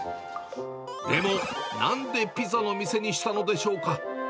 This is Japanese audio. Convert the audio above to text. でも、なんでピザの店にしたのでしょうか。